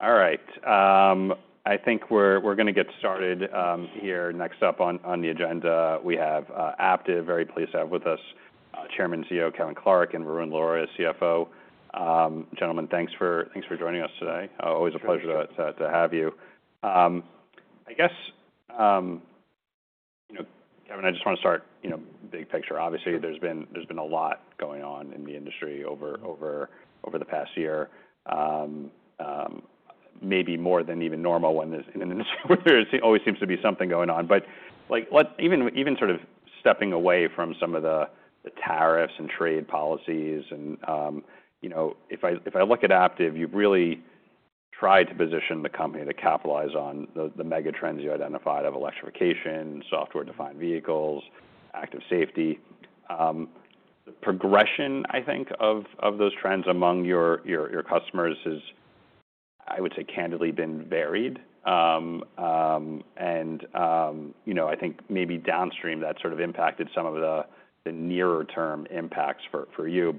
All right. I think we're gonna get started here. Next up on the agenda, we have Aptiv, very pleased to have with us Chairman and CEO Kevin Clark and Varun Laroyia, CFO. Gentlemen, thanks for joining us today. Always a pleasure to have you. I guess, you know, Kevin, I just wanna start, you know, big picture. Obviously, there's been a lot going on in the industry over the past year, maybe more than even normal in an industry where there always seems to be something going on. Like, even sort of stepping away from some of the tariffs and trade policies and, you know, if I look at Aptiv, you've really tried to position the company to capitalize on the mega trends you identified of electrification, software-defined vehicles, active safety. The progression, I think, of those trends among your customers has, I would say, candidly, been varied. And, you know, I think maybe downstream that sort of impacted some of the nearer-term impacts for you.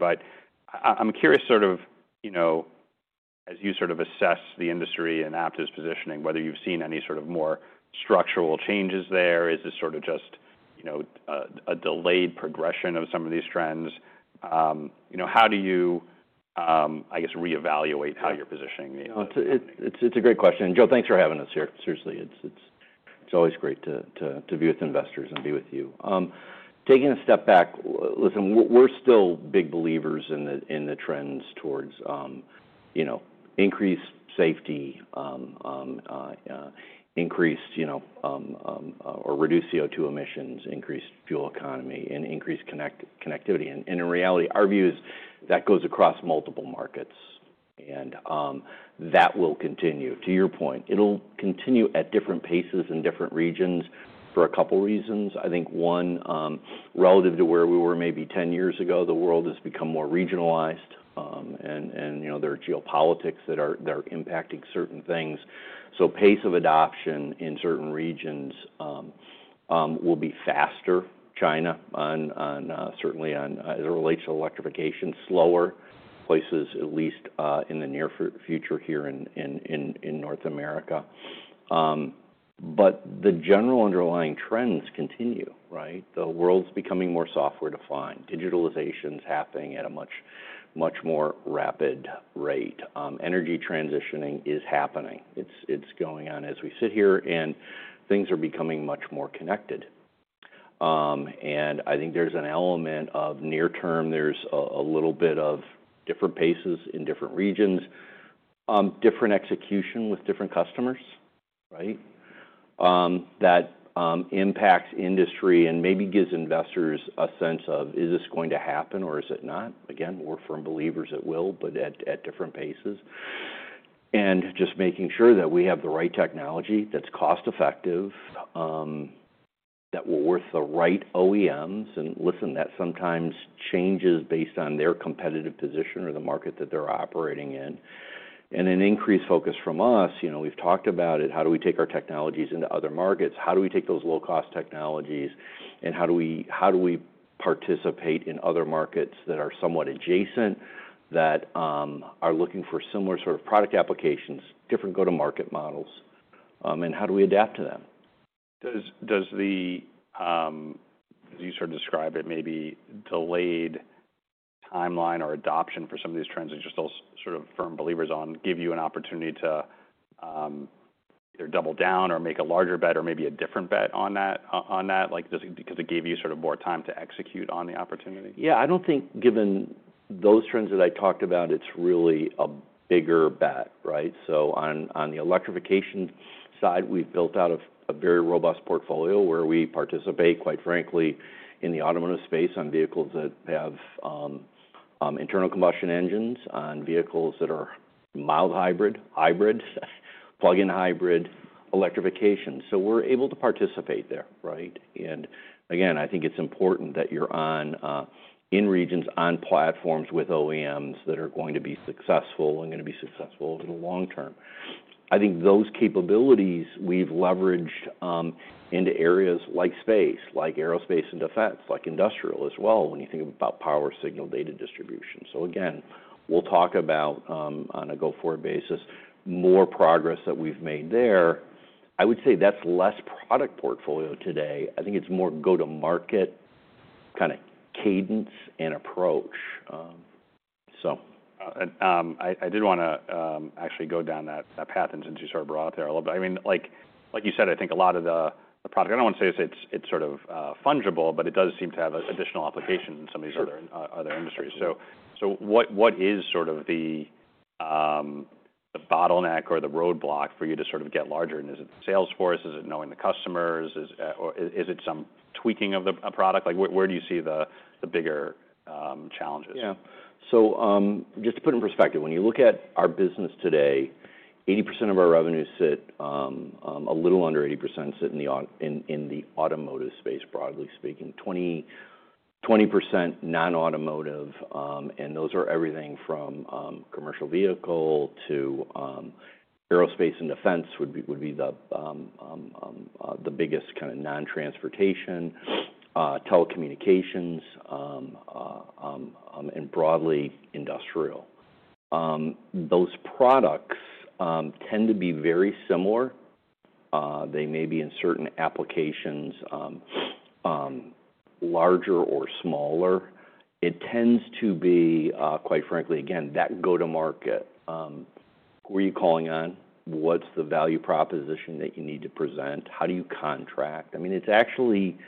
I'm curious, as you sort of assess the industry and Aptiv's positioning, whether you've seen any more structural changes there. Is this just a delayed progression of some of these trends? You know, how do you, I guess, reevaluate how you're positioning the industry? No, it's a great question. Joe, thanks for having us here. Seriously, it's always great to be with investors and be with you. Taking a step back, listen, we're still big believers in the trends towards, you know, increased safety, increased, you know, or reduced CO2 emissions, increased fuel economy, and increased connectivity. In reality, our view is that goes across multiple markets, and that will continue. To your point, it'll continue at different paces in different regions for a couple reasons. I think one, relative to where we were maybe 10 years ago, the world has become more regionalized, and, you know, there are geopolitics that are impacting certain things. Pace of adoption in certain regions will be faster. China, certainly as it relates to electrification, slower. Places, at least, in the near future here in North America. The general underlying trends continue, right? The world's becoming more software-defined. Digitalization's happening at a much, much more rapid rate. Energy transitioning is happening. It's going on as we sit here, and things are becoming much more connected. I think there's an element of near-term. There's a little bit of different paces in different regions, different execution with different customers, right? That impacts industry and maybe gives investors a sense of, is this going to happen or is it not? Again, we're firm believers it will, but at different paces. Just making sure that we have the right technology that's cost-effective, that will work the right OEMs. Listen, that sometimes changes based on their competitive position or the market that they're operating in. An increased focus from us, you know, we've talked about it. How do we take our technologies into other markets? How do we take those low-cost technologies and how do we participate in other markets that are somewhat adjacent, that are looking for similar sort of product applications, different go-to-market models? How do we adapt to them? Does the, as you sort of describe it, maybe delayed timeline or adoption for some of these trends that you're still sort of firm believers on give you an opportunity to either double down or make a larger bet or maybe a different bet on that? Like, does it give you sort of more time to execute on the opportunity? Yeah. I don't think, given those trends that I talked about, it's really a bigger bet, right? On the electrification side, we've built out a very robust portfolio where we participate, quite frankly, in the automotive space on vehicles that have internal combustion engines, on vehicles that are mild hybrid, hybrid, plug-in hybrid, electrification. We're able to participate there, right? I think it's important that you're in regions on platforms with OEMs that are going to be successful and gonna be successful over the long term. I think those capabilities we've leveraged into areas like space, like aerospace and defense, like industrial as well, when you think about power signal data distribution. We'll talk about, on a go-forward basis, more progress that we've made there. I would say that's less product portfolio today. I think it's more go-to-market kinda cadence and approach. I did wanna actually go down that path and since you sort of brought it there, I loved it. I mean, like you said, I think a lot of the product, I do not wanna say it is sort of fungible, but it does seem to have additional application in some of these other industries. What is sort of the bottleneck or the roadblock for you to sort of get larger? Is it salesforce? Is it knowing the customers? Or is it some tweaking of the product? Where do you see the bigger challenges? Yeah. Just to put it in perspective, when you look at our business today, 80% of our revenue sit, a little under 80% sit in the automotive space, broadly speaking. 20% non-automotive, and those are everything from commercial vehicle to aerospace and defense would be the biggest kind of non-transportation, telecommunications, and broadly industrial. Those products tend to be very similar. They may be in certain applications, larger or smaller. It tends to be, quite frankly, again, that go-to-market, who are you calling on? What's the value proposition that you need to present? How do you contract? I mean, it's actually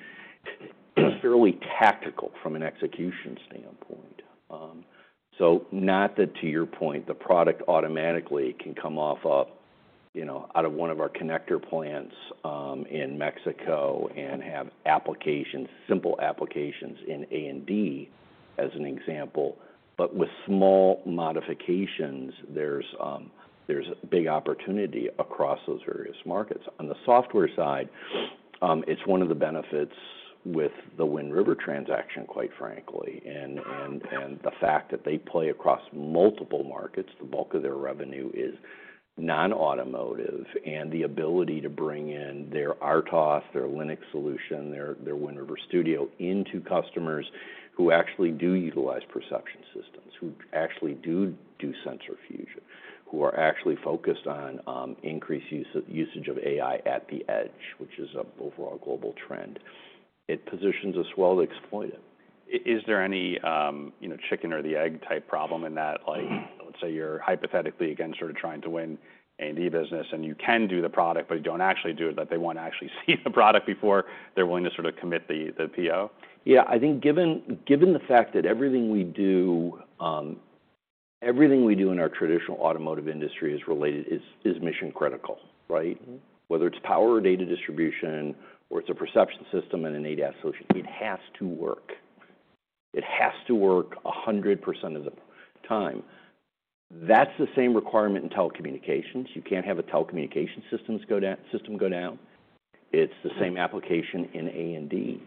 fairly tactical from an execution standpoint. Not that, to your point, the product automatically can come off of, you know, out of one of our connector plants in Mexico and have applications, simple applications in A&D, as an example, but with small modifications, there's big opportunity across those various markets. On the software side, it's one of the benefits with the Wind River transaction, quite frankly, and the fact that they play across multiple markets. The bulk of their revenue is non-automotive and the ability to bring in their RTOS, their Linux solution, their Wind River Studio into customers who actually do utilize perception systems, who actually do sensor fusion, who are actually focused on increased usage of AI at the edge, which is an overall global trend. It positions us well to exploit it. Is there any, you know, chicken or the egg type problem in that, like, let's say you're hypothetically, again, sort of trying to win A&D business and you can do the product but you don't actually do it, that they wanna actually see the product before they're willing to sort of commit the PO? Yeah. I think given the fact that everything we do in our traditional automotive industry is mission-critical, right? Whether it's power or data distribution or it's a perception system and an ADAS solution, it has to work. It has to work 100% of the time. That's the same requirement in telecommunications. You can't have a telecommunications system go down. It's the same application in A&D.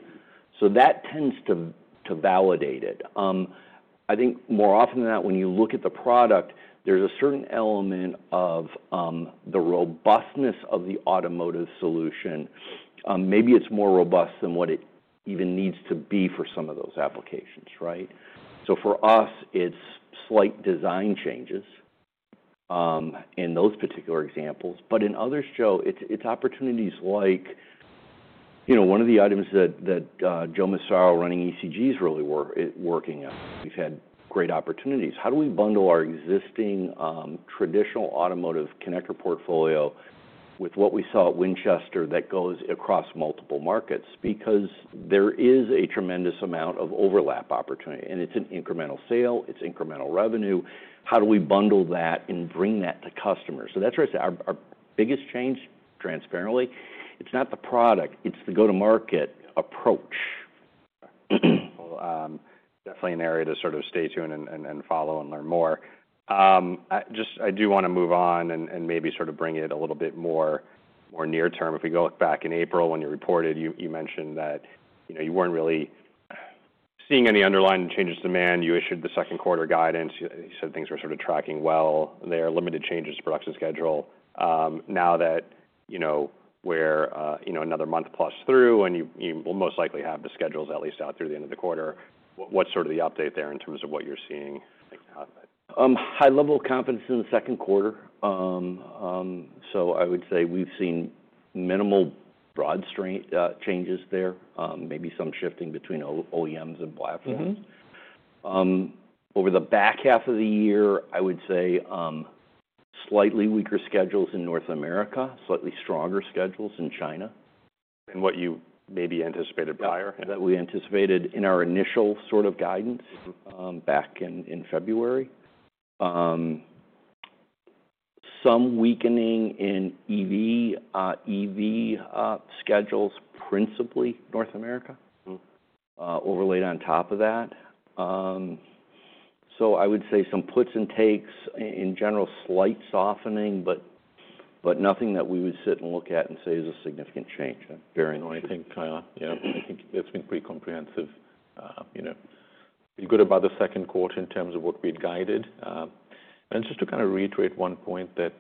That tends to validate it. I think more often than not, when you look at the product, there's a certain element of the robustness of the automotive solution. Maybe it's more robust than what it even needs to be for some of those applications, right? For us, it's slight design changes in those particular examples. In others, Joe, it's opportunities like, you know, one of the items that Joe Massaro running ECG is really working on. We've had great opportunities. How do we bundle our existing, traditional automotive connector portfolio with what we saw at Winchester that goes across multiple markets? Because there is a tremendous amount of overlap opportunity, and it's an incremental sale. It's incremental revenue. How do we bundle that and bring that to customers? That's what I say. Our biggest change, transparently, it's not the product. It's the go-to-market approach. Okay. Definitely an area to sort of stay tuned and follow and learn more. I just, I do wanna move on and maybe sort of bring it a little bit more near-term. If we go back in April when you reported, you mentioned that, you know, you weren't really seeing any underlying changes to demand. You issued the second quarter guidance. You said things were sort of tracking well there, limited changes to production schedule. Now that, you know, we're another month plus through and you will most likely have the schedules at least out through the end of the quarter, what's sort of the update there in terms of what you're seeing? High-level confidence in the second quarter. I would say we've seen minimal broad strain changes there, maybe some shifting between OEMs and platforms. Mm-hmm. Over the back half of the year, I would say, slightly weaker schedules in North America, slightly stronger schedules in China. Than what you maybe anticipated prior? Yeah, that we anticipated in our initial sort of guidance, back in February. Some weakening in EV schedules, principally North America. Mm-hmm. overlaid on top of that. I would say some puts and takes in general, slight softening, but nothing that we would sit and look at and say is a significant change. Very interesting. I think, yeah, I think that's been pretty comprehensive. You know, pretty good about the second quarter in terms of what we had guided. And just to kinda reiterate one point that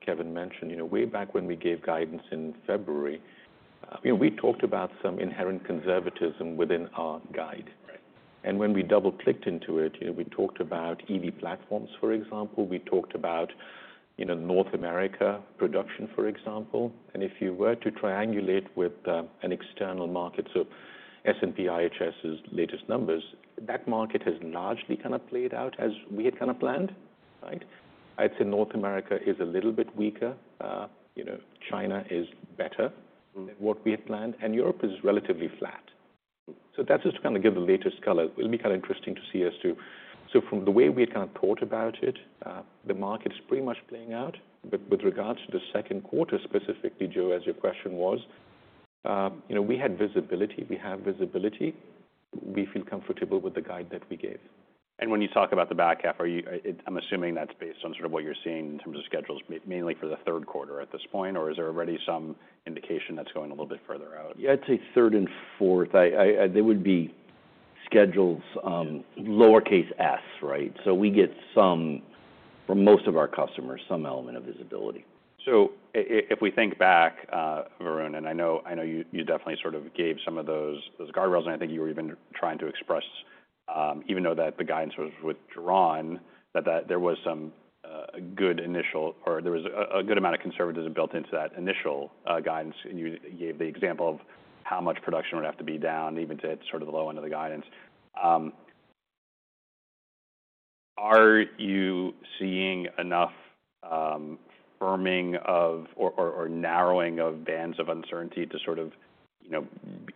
Kevin mentioned, you know, way back when we gave guidance in February, you know, we talked about some inherent conservatism within our guide. And when we double-clicked into it, you know, we talked about EV platforms, for example. We talked about, you know, North America production, for example. And if you were to triangulate with an external market, so S&P IHS's latest numbers, that market has largely kinda played out as we had kinda planned, right? I'd say North America is a little bit weaker. You know, China is better. Mm-hmm. Than what we had planned. Europe is relatively flat. That is just to kinda give the latest color. It'll be kinda interesting to see as to, from the way we had kinda thought about it, the market is pretty much playing out. With regards to the second quarter specifically, Joe, as your question was, you know, we had visibility. We have visibility. We feel comfortable with the guide that we gave. When you talk about the back half, are you, I'm assuming that's based on sort of what you're seeing in terms of schedules mainly for the third quarter at this point, or is there already some indication that's going a little bit further out? Yeah, I'd say third and fourth. There would be schedules, lowercase s, right? So we get some, for most of our customers, some element of visibility. If we think back, Varun, and I know you definitely sort of gave some of those guardrails, and I think you were even trying to express, even though the guidance was withdrawn, that there was some good initial or there was a good amount of conservatism built into that initial guidance. You gave the example of how much production would have to be down even to hit sort of the low end of the guidance. Are you seeing enough firming of or narrowing of bands of uncertainty to sort of, you know,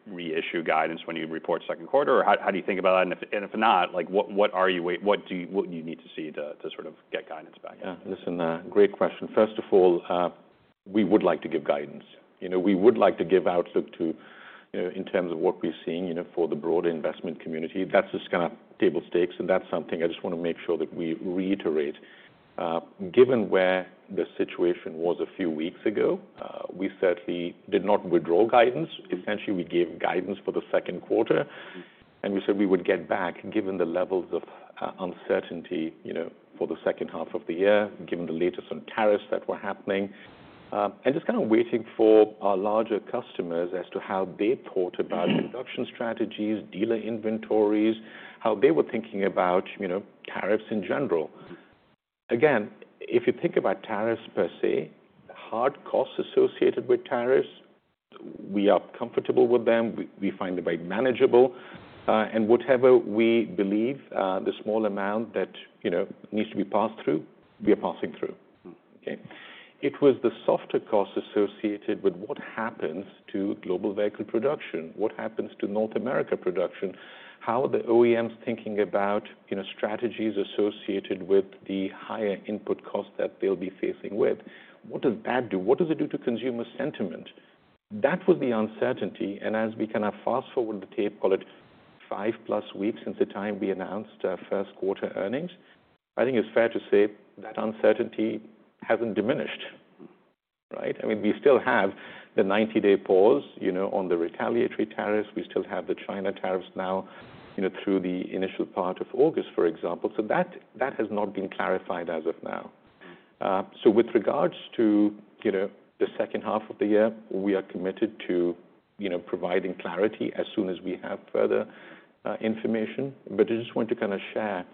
reissue guidance when you report second quarter, or how do you think about that? If not, what do you need to see to sort of get guidance back? Yeah. Listen, great question. First of all, we would like to give guidance. You know, we would like to give outlook to, you know, in terms of what we're seeing, you know, for the broader investment community. That's just kinda table stakes, and that's something I just wanna make sure that we reiterate. Given where the situation was a few weeks ago, we certainly did not withdraw guidance. Essentially, we gave guidance for the second quarter, and we said we would get back given the levels of uncertainty, you know, for the second half of the year, given the latest on tariffs that were happening, and just kinda waiting for our larger customers as to how they thought about production strategies, dealer inventories, how they were thinking about, you know, tariffs in general. Again, if you think about tariffs per se, hard costs associated with tariffs, we are comfortable with them. We find them very manageable, and whatever we believe, the small amount that, you know, needs to be passed through, we are passing through. Mm-hmm. Okay? It was the softer costs associated with what happens to global vehicle production, what happens to North America production, how are the OEMs thinking about, you know, strategies associated with the higher input costs that they'll be facing with. What does that do? What does it do to consumer sentiment? That was the uncertainty. And as we kinda fast forward the tape, call it five-plus weeks since the time we announced our first quarter earnings, I think it's fair to say that uncertainty hasn't diminished, right? I mean, we still have the 90-day pause, you know, on the retaliatory tariffs. We still have the China tariffs now, you know, through the initial part of August, for example. So that that has not been clarified as of now. Mm-hmm. With regards to, you know, the second half of the year, we are committed to, you know, providing clarity as soon as we have further information. I just wanted to kinda share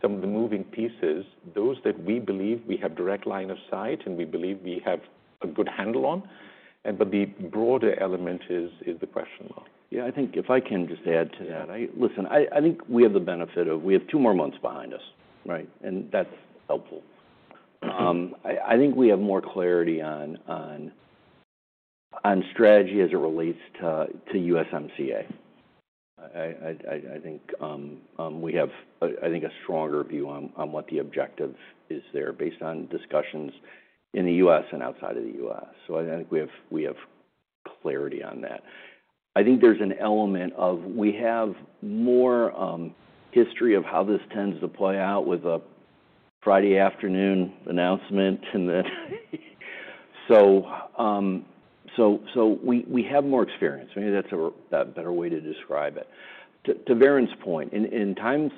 some of the moving pieces, those that we believe we have direct line of sight and we believe we have a good handle on. The broader element is the question mark. I think if I can just add to that, I think we have the benefit of two more months behind us, right? That is helpful. I think we have more clarity on strategy as it relates to USMCA. I think we have a stronger view on what the objective is there based on discussions in the U.S. and outside of the U.S. I think we have clarity on that. I think there's an element of we have more history of how this tends to play out with a Friday afternoon announcement and that, so we have more experience. Maybe that's a better way to describe it. To Varun's point, in times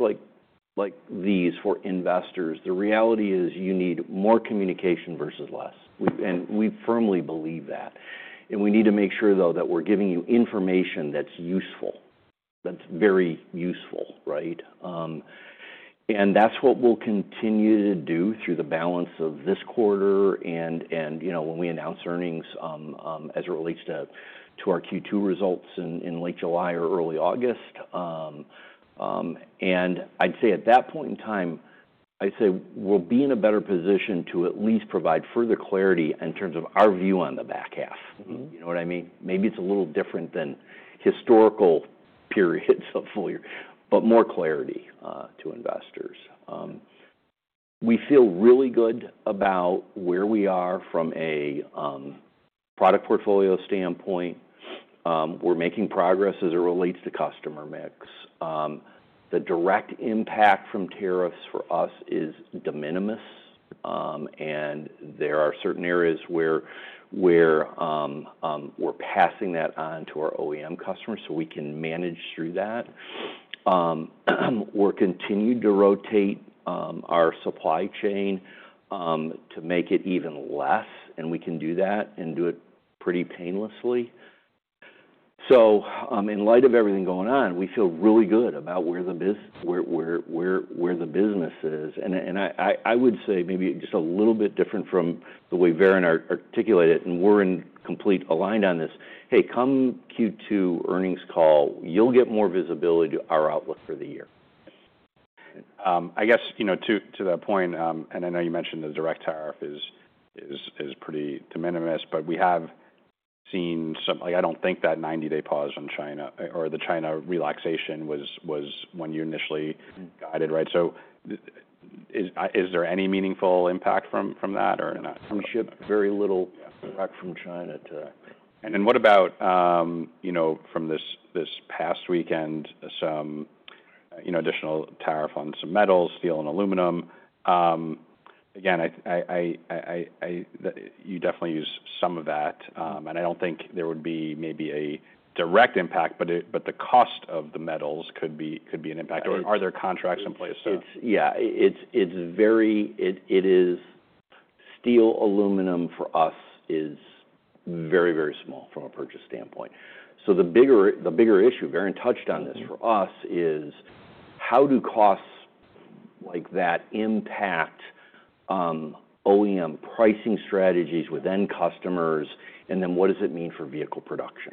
like these for investors, the reality is you need more communication versus less. We firmly believe that. We need to make sure, though, that we're giving you information that's useful, that's very useful, right? That's what we'll continue to do through the balance of this quarter and, you know, when we announce earnings as it relates to our Q2 results in late July or early August. I'd say at that point in time, I'd say we'll be in a better position to at least provide further clarity in terms of our view on the back half. Mm-hmm. You know what I mean? Maybe it's a little different than historical periods of full year, but more clarity to investors. We feel really good about where we are from a product portfolio standpoint. We're making progress as it relates to customer mix. The direct impact from tariffs for us is de minimis, and there are certain areas where we're passing that on to our OEM customers so we can manage through that. We're continuing to rotate our supply chain to make it even less, and we can do that and do it pretty painlessly. In light of everything going on, we feel really good about where the business is. I would say maybe just a little bit different from the way Varun articulated it, and we're in complete aligned on this. Hey, come Q2 earnings call, you'll get more visibility to our outlook for the year. I guess, you know, to that point, and I know you mentioned the direct tariff is pretty de minimis, but we have seen some, like, I don't think that 90-day pause on China or the China relaxation was when you initially. Mm-hmm. Guided, right? Is there any meaningful impact from that or not? Trans-ship, very little back from China too. What about, you know, from this past weekend, some, you know, additional tariff on some metals, steel, and aluminum? You definitely use some of that. I do not think there would be maybe a direct impact, but the cost of the metals could be an impact. Are there contracts in place? It's very, it is steel. Aluminum for us is very, very small from a purchase standpoint. The bigger issue, Varun touched on this for us, is how do costs like that impact OEM pricing strategies within customers, and then what does it mean for vehicle production?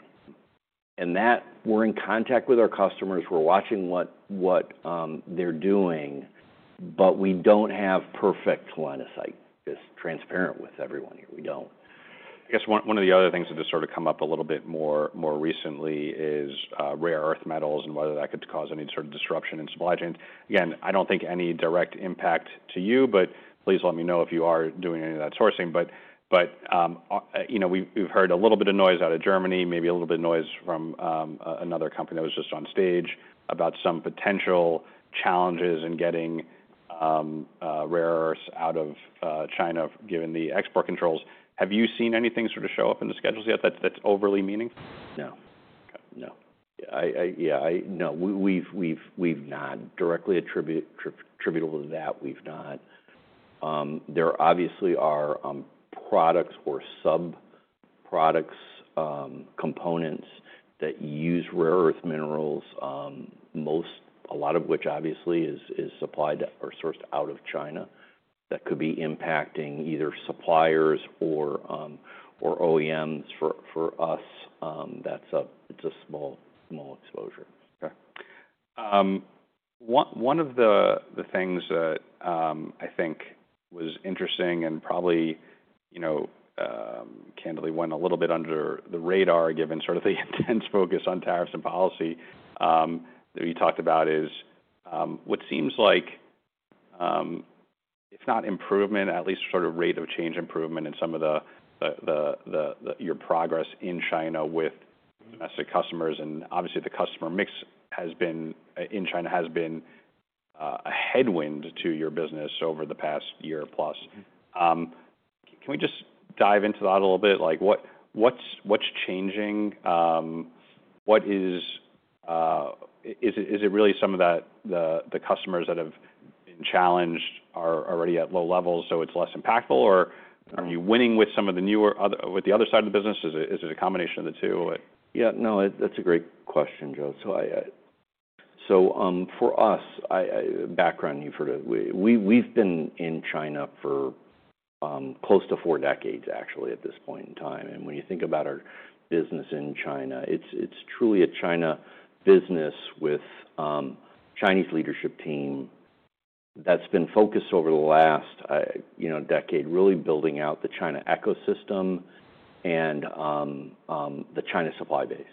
We are in contact with our customers. We are watching what they are doing, but we do not have perfect line of sight. It is transparent with everyone here. We do not. I guess one of the other things that has sort of come up a little bit more recently is rare earth metals and whether that could cause any sort of disruption in supply chains. Again, I do not think any direct impact to you, but please let me know if you are doing any of that sourcing. But, you know, we have heard a little bit of noise out of Germany, maybe a little bit of noise from another company that was just on stage about some potential challenges in getting rare earths out of China given the export controls. Have you seen anything sort of show up in the schedules yet that is overly meaningful? No. Okay. No. Yeah, I, yeah, I, no. We've not directly attributable to that. We've not. There obviously are products or sub-products, components that use rare earth minerals, most, a lot of which obviously is supplied or sourced out of China that could be impacting either suppliers or OEMs for us. That's a small, small exposure. Okay. One of the things that I think was interesting and probably, you know, candidly went a little bit under the radar given sort of the intense focus on tariffs and policy that you talked about is what seems like, if not improvement, at least sort of rate of change improvement in some of your progress in China with domestic customers. Obviously, the customer mix in China has been a headwind to your business over the past year plus. Can we just dive into that a little bit? Like, what's changing? Is it really some of the customers that have been challenged are already at low levels, so it's less impactful, or are you winning with some of the newer, other, with the other side of the business? Is it a combination of the two? Yeah. No, that's a great question, Joe. For us, background, you've heard of, we've been in China for close to four decades, actually, at this point in time. When you think about our business in China, it's truly a China business with a Chinese leadership team that's been focused over the last, you know, decade, really building out the China ecosystem and the China supply base.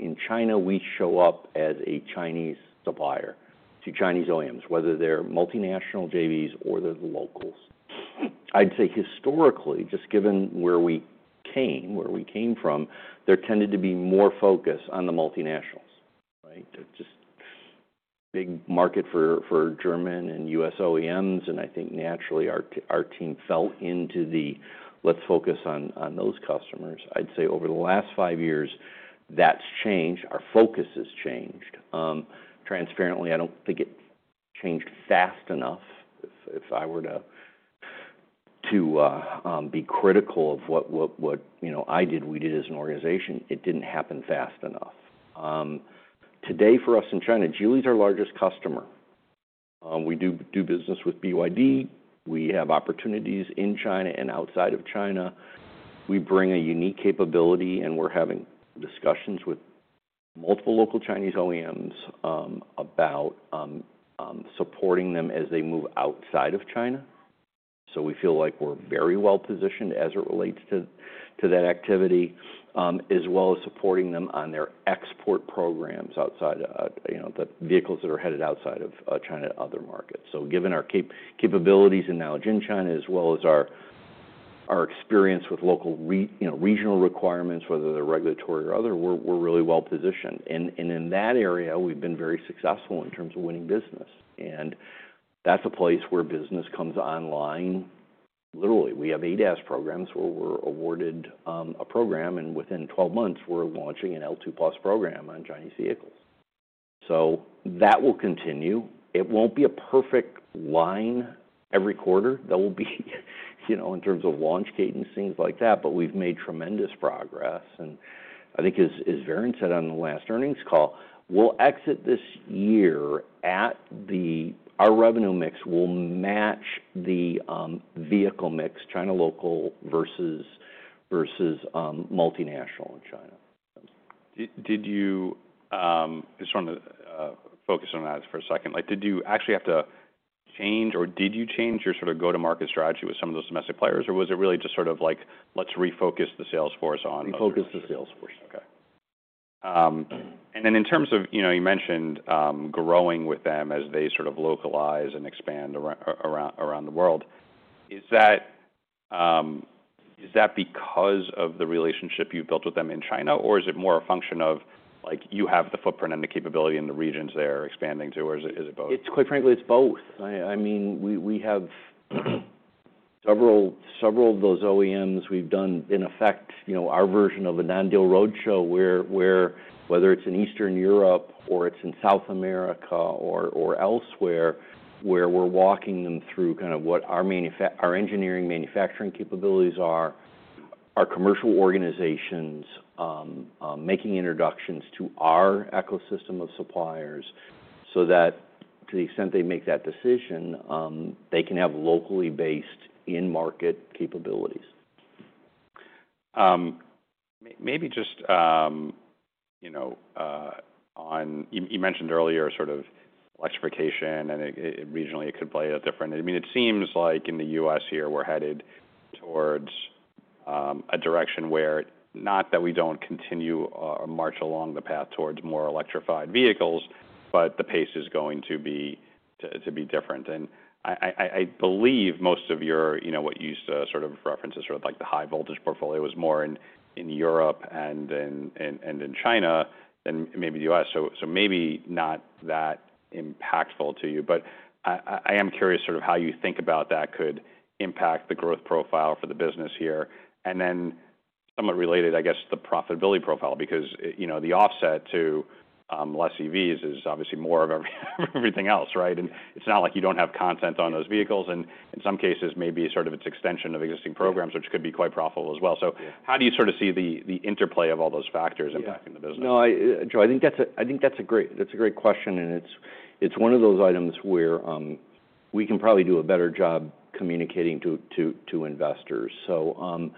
In China, we show up as a Chinese supplier to Chinese OEMs, whether they're multinational JVs or they're the locals. I'd say historically, just given where we came from, there tended to be more focus on the multinationals, right? Just big market for German and US OEMs. I think naturally our team fell into the, "Let's focus on those customers." I'd say over the last five years, that's changed. Our focus has changed. Transparently, I don't think it changed fast enough. If I were to be critical of what, you know, I did, we did as an organization, it didn't happen fast enough. Today for us in China, Geely's our largest customer. We do business with BYD. We have opportunities in China and outside of China. We bring a unique capability, and we're having discussions with multiple local Chinese OEMs about supporting them as they move outside of China. We feel like we're very well positioned as it relates to that activity, as well as supporting them on their export programs outside, you know, the vehicles that are headed outside of China, other markets. Given our capabilities and knowledge in China, as well as our experience with local, you know, regional requirements, whether they're regulatory or other, we're really well positioned. In that area, we've been very successful in terms of winning business. That's a place where business comes online. Literally, we have ADAS programs where we're awarded a program, and within 12 months, we're launching an L2 plus program on Chinese vehicles. That will continue. It won't be a perfect line every quarter. There will be, you know, in terms of launch cadence, things like that, but we've made tremendous progress. I think as Varun said on the last earnings call, we'll exit this year at the point where our revenue mix will match the vehicle mix, China local versus multinational in China. Did you, just want to, focus on that for a second. Like, did you actually have to change, or did you change your sort of go-to-market strategy with some of those domestic players, or was it really just sort of like, "Let's refocus the sales force on the. Refocus the sales force. Okay. And then in terms of, you know, you mentioned, growing with them as they sort of localize and expand around the world, is that because of the relationship you've built with them in China, or is it more a function of, like, you have the footprint and the capability in the regions they're expanding to, or is it both? It's quite frankly, it's both. I mean, we have several of those OEMs. We've done, in effect, you know, our version of the Non-Deal Roadshow where, whether it's in Eastern Europe or it's in South America or elsewhere, where we're walking them through kind of what our engineering manufacturing capabilities are, our commercial organizations, making introductions to our ecosystem of suppliers so that to the extent they make that decision, they can have locally based in-market capabilities. Maybe just, you know, you mentioned earlier sort of electrification, and regionally it could play a different, I mean, it seems like in the U.S. here, we're headed towards a direction where not that we don't continue a march along the path towards more electrified vehicles, but the pace is going to be different. And I believe most of your, you know, what you used to sort of reference as sort of like the high-voltage portfolio was more in Europe and in China than maybe the U.S. So maybe not that impactful to you. But I am curious sort of how you think about that could impact the growth profile for the business here. And then somewhat related, I guess, the profitability profile, because, you know, the offset to less EVs is obviously more of everything else, right? And it's not like you do not have content on those vehicles. In some cases, maybe sort of it's extension of existing programs, which could be quite profitable as well. How do you sort of see the interplay of all those factors impacting the business? Yeah. No, Joe, I think that's a great question. And it's one of those items where we can probably do a better job communicating to investors. As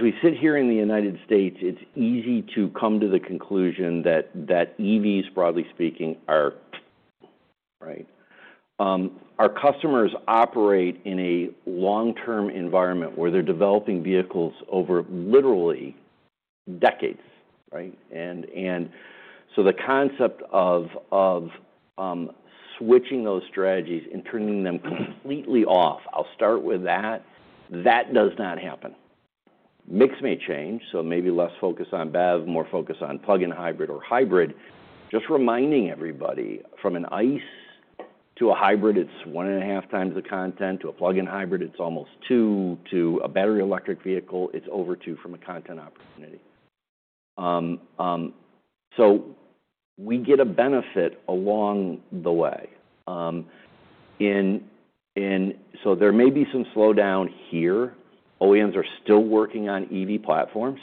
we sit here in the United States, it's easy to come to the conclusion that EVs, broadly speaking, are right. Our customers operate in a long-term environment where they're developing vehicles over literally decades, right? And the concept of switching those strategies and turning them completely off, I'll start with that, that does not happen. Mix may change, so maybe less focus on BEV, more focus on plug-in hybrid or hybrid. Just reminding everybody, from an ICE to a hybrid, it's 1.5x the content. To a plug-in hybrid, it's almost 2x. To a battery electric vehicle, it's over two from a content opportunity. We get a benefit along the way, and there may be some slowdown here. OEMs are still working on EV platforms,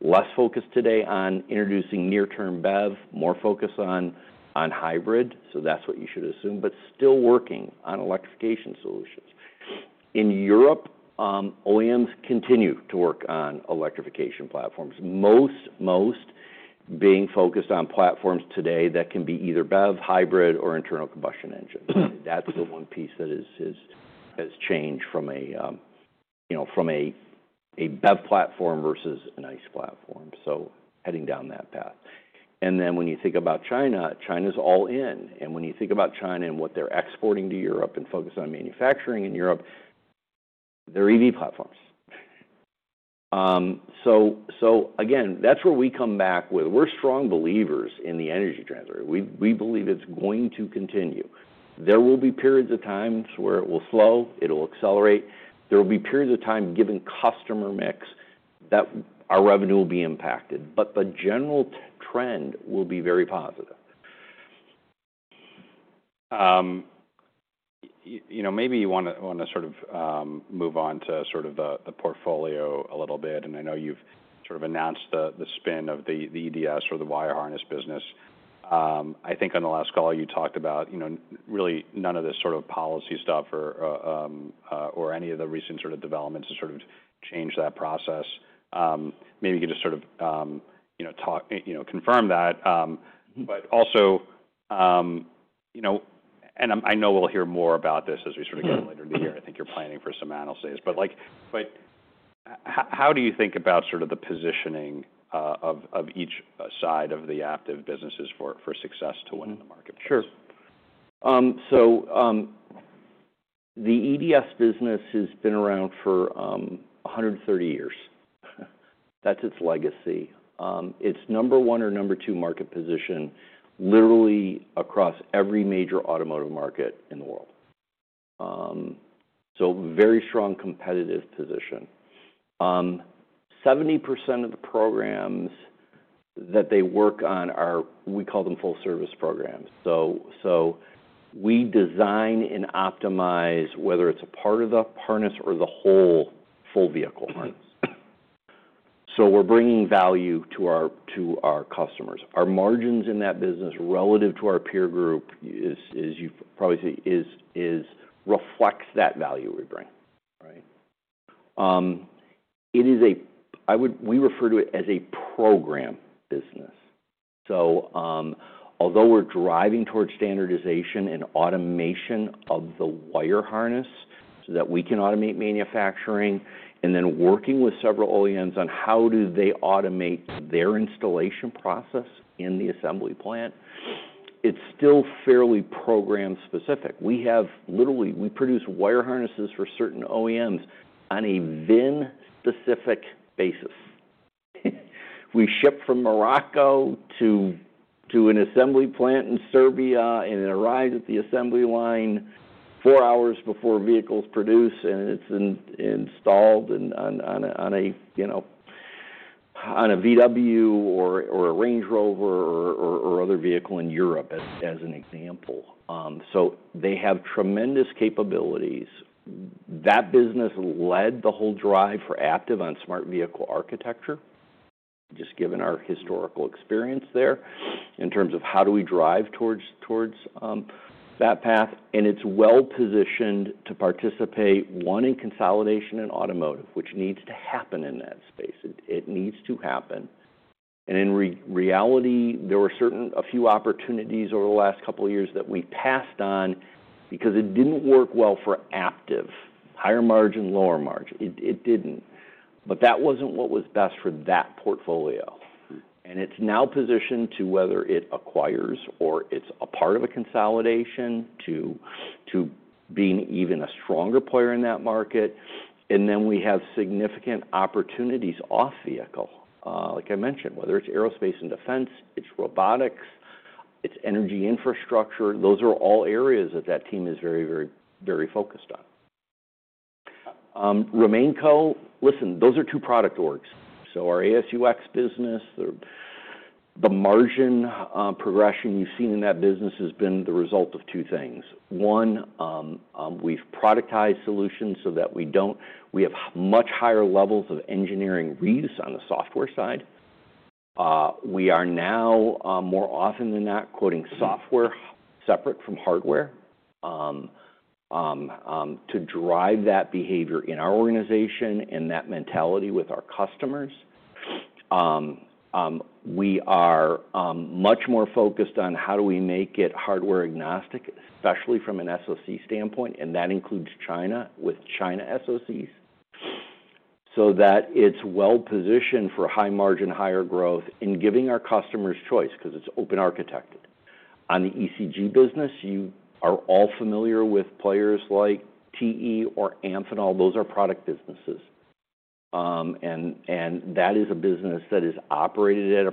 less focused today on introducing near-term BEV, more focus on hybrid. That's what you should assume, but still working on electrification solutions. In Europe, OEMs continue to work on electrification platforms, most being focused on platforms today that can be either BEV, hybrid, or internal combustion engine. That's the one piece that has changed from a BEV platform versus an ICE platform. Heading down that path. When you think about China, China's all in. When you think about China and what they're exporting to Europe and focus on manufacturing in Europe, they're EV platforms. So again, that's where we come back with. We're strong believers in the energy transition. We believe it's going to continue. There will be periods of time where it will slow. It'll accelerate. There will be periods of time, given customer mix, that our revenue will be impacted. The general trend will be very positive. You know, maybe you want to sort of move on to the portfolio a little bit. I know you've sort of announced the spin of the EDS or the wire harness business. I think on the last call, you talked about really none of this sort of policy stuff or any of the recent developments to change that process. Maybe you could just sort of, you know, talk, you know, confirm that. But also, you know, and I know we'll hear more about this as we get later in the year. I think you're planning for some analyst days. But how do you think about the positioning of each side of the Aptiv businesses for success to win in the market? Sure. The EDS business has been around for 130 years. That's its legacy. It's number one or number two market position literally across every major automotive market in the world. Very strong competitive position. 70% of the programs that they work on are, we call them, full-service programs. We design and optimize whether it's a part of the harness or the whole full vehicle harness. We're bringing value to our customers. Our margins in that business relative to our peer group, as you probably see, reflect that value we bring, right? It is what we refer to as a program business. Although we're driving towards standardization and automation of the wire harness so that we can automate manufacturing and then working with several OEMs on how do they automate their installation process in the assembly plant, it's still fairly program-specific. We have literally, we produce wire harnesses for certain OEMs on a VIN-specific basis. We ship from Morocco to an assembly plant in Serbia, and it arrives at the assembly line four hours before vehicles produce, and it's installed on a VW or a Range Rover or other vehicle in Europe as an example. They have tremendous capabilities. That business led the whole drive for Aptiv on smart vehicle architecture, just given our historical experience there in terms of how do we drive towards that path. It is well positioned to participate, one, in consolidation in automotive, which needs to happen in that space. It needs to happen. In reality, there were certain opportunities over the last couple of years that we passed on because it did not work well for Aptiv. Higher margin, lower margin. It did not. That was not what was best for that portfolio. It is now positioned to, whether it acquires or is a part of a consolidation, be an even stronger player in that market. We have significant opportunities off vehicle, like I mentioned, whether it is aerospace and defense, robotics, or energy infrastructure. Those are all areas that team is very, very, very focused on. Remain Co. Listen, those are two product orgs. Our AS&UX business, the margin progression you've seen in that business has been the result of two things. One, we've productized solutions so that we have much higher levels of engineering reuse on the software side. We are now, more often than not, quoting software separate from hardware, to drive that behavior in our organization and that mentality with our customers. We are much more focused on how do we make it hardware agnostic, especially from an SoC standpoint. That includes China with China SoCs so that it's well positioned for high margin, higher growth in giving our customers choice because it's open architected. On the ECG business, you are all familiar with players like TE or Amphenol. Those are product businesses, and that is a business that is operated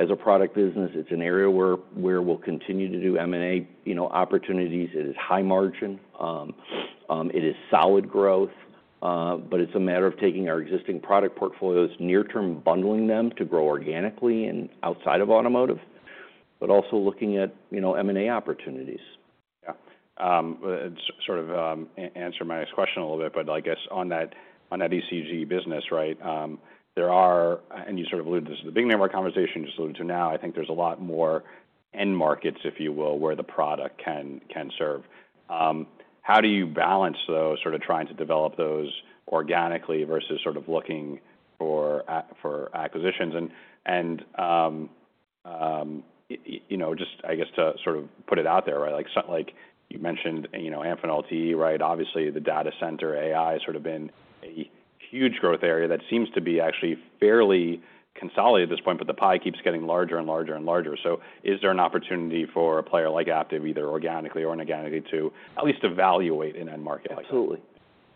as a product business. It's an area where we'll continue to do M&A, you know, opportunities. It is high margin. It is solid growth. It's a matter of taking our existing product portfolios, near-term bundling them to grow organically and outside of automotive, but also looking at, you know, M&A opportunities. Yeah. You sort of answered my next question a little bit, but I guess on that ECG business, right, there are, and you sort of alluded to this, a big number of conversations just alluded to now. I think there's a lot more end markets, if you will, where the product can serve. How do you balance those, sort of trying to develop those organically versus looking for acquisitions? You know, just I guess to sort of put it out there, right, like you mentioned, you know, Amphenol, TE, right, obviously the data center AI has sort of been a huge growth area that seems to be actually fairly consolidated at this point, but the pie keeps getting larger and larger and larger. Is there an opportunity for a player like Aptiv either organically or inorganically to at least evaluate an end market? Absolutely.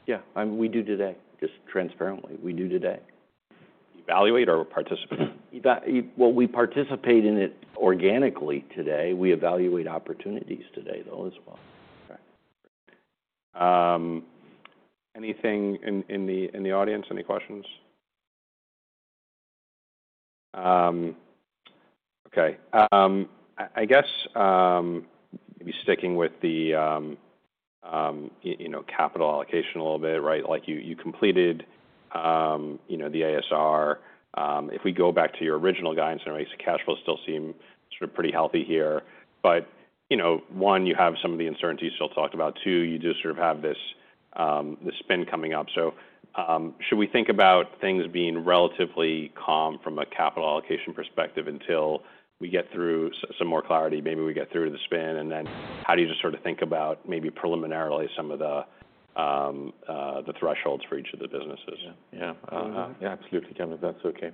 Yeah. I mean, we do today, just transparently. We do today. Evaluate or participate? We participate in it organically today. We evaluate opportunities today, though, as well. Okay. Anything in the audience? Any questions? Okay. I guess, maybe sticking with the, you know, capital allocation a little bit, right? Like you completed, you know, the ASR. If we go back to your original guidance, I know you said cash flows still seem sort of pretty healthy here. But, you know, one, you have some of the uncertainties still talked about. Two, you do sort of have this spin coming up. Should we think about things being relatively calm from a capital allocation perspective until we get through some more clarity, maybe we get through to the spin? How do you just sort of think about maybe preliminarily some of the thresholds for each of the businesses? Yeah. Yeah, absolutely, Kevin. That's okay.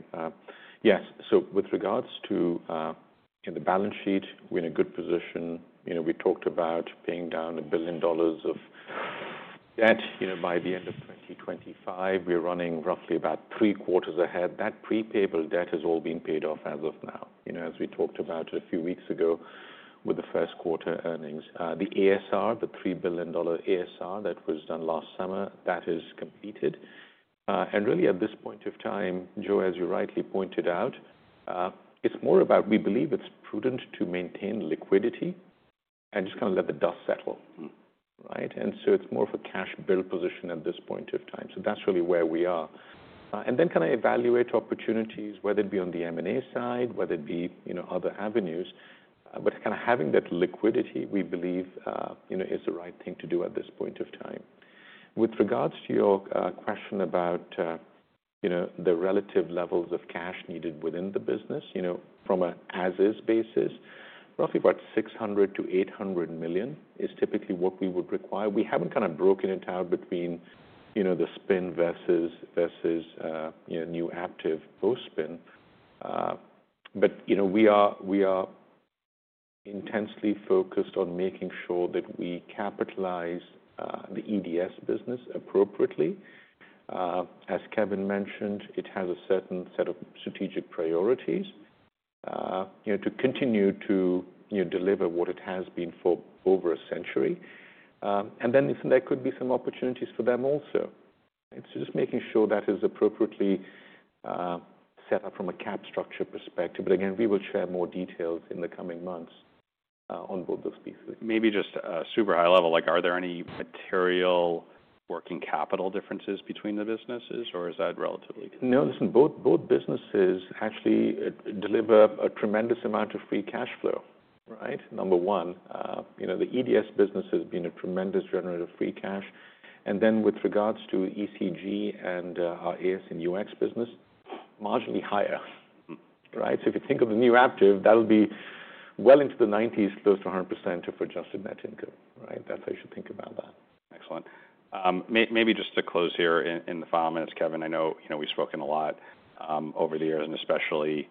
Yes. So with regards to, you know, the balance sheet, we're in a good position. You know, we talked about paying down $1 billion of debt, you know, by the end of 2025. We're running roughly about three quarters ahead. That pre-payable debt has all been paid off as of now, you know, as we talked about a few weeks ago with the first quarter earnings. The ASR, the $3 billion ASR that was done last summer, that is completed. Really at this point of time, Joe, as you rightly pointed out, it's more about we believe it's prudent to maintain liquidity and just kind of let the dust settle, right? It's more of a cash-built position at this point of time. That's really where we are. and then kind of evaluate opportunities, whether it be on the M&A side, whether it be, you know, other avenues. but kind of having that liquidity, we believe, you know, is the right thing to do at this point of time. With regards to your question about, you know, the relative levels of cash needed within the business, you know, from an as-is basis, roughly about $600 million-$800 million is typically what we would require. We haven't kind of broken it out between, you know, the spin versus, you know, new Aptiv post-spin. but, you know, we are we are intensely focused on making sure that we capitalize the EDS business appropriately. as Kevin mentioned, it has a certain set of strategic priorities, you know, to continue to, you know, deliver what it has been for over a century. and then there could be some opportunities for them also. It's just making sure that is appropriately set up from a cap structure perspective. Again, we will share more details in the coming months, on both those pieces. Maybe just a super high level, like, are there any material working capital differences between the businesses, or is that relatively? No, listen, both businesses actually deliver a tremendous amount of free cash flow, right? Number one, you know, the EDS business has been a tremendous generator of free cash. And then with regards to ECG and our AS and UX business, marginally higher, right? If you think of the new Aptiv, that'll be well into the 90s, close to 100% if we're adjusted net income, right? That's how you should think about that. Excellent. Maybe just to close here in the final minutes, Kevin, I know, you know, we've spoken a lot over the years, and especially,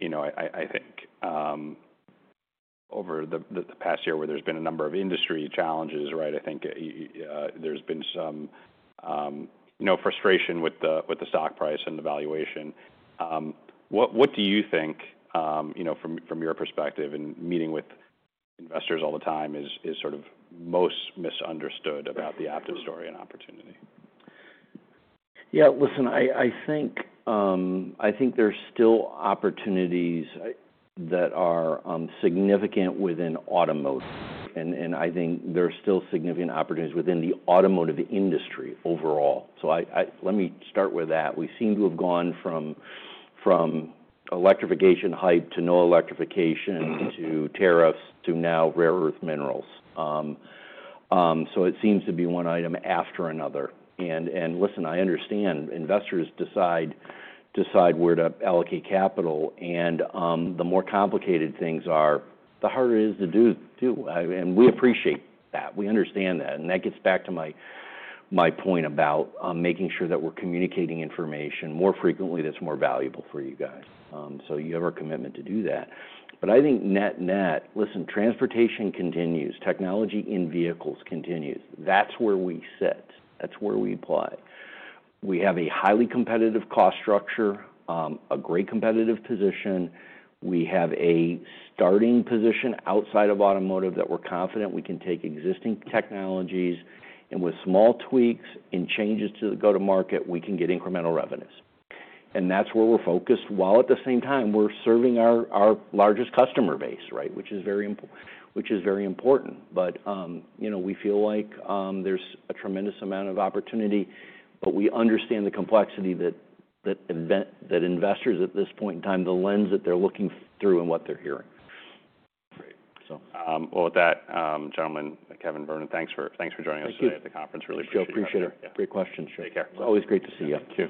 you know, I think, over the past year where there's been a number of industry challenges, right? I think there's been some, you know, frustration with the stock price and the valuation. What do you think, you know, from your perspective and meeting with investors all the time is sort of most misunderstood about the Aptiv story and opportunity? Yeah. Listen, I think there's still opportunities that are significant within automotive. I think there's still significant opportunities within the automotive industry overall. Let me start with that. We seem to have gone from electrification hype to no electrification to tariffs to now rare earth minerals. It seems to be one item after another. I understand investors decide where to allocate capital. The more complicated things are, the harder it is to do too. We appreciate that. We understand that. That gets back to my point about making sure that we're communicating information more frequently that's more valuable for you guys. You have our commitment to do that. I think net net, listen, transportation continues. Technology in vehicles continues. That's where we sit. That's where we apply. We have a highly competitive cost structure, a great competitive position. We have a starting position outside of automotive that we're confident we can take existing technologies, and with small tweaks and changes to the go-to-market, we can get incremental revenues. That's where we're focused. At the same time, we're serving our largest customer base, right, which is very important. You know, we feel like there's a tremendous amount of opportunity, but we understand the complexity that investors at this point in time, the lens that they're looking through and what they're hearing. Great. With that, gentlemen, Kevin, Varun, thanks for joining us today at the conference. Really appreciate it. Appreciate it. Great questions, Joe. Take care. It's always great to see you. Thank you.